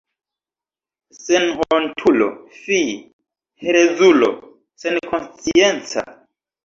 Senhontulo, fi, herezulo senkonscienca!